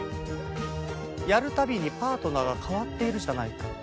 やるたびにパートナーが変わっているじゃないかって？